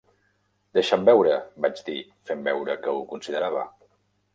"Deixa'm veure", vaig dir, fent veure que ho considerava.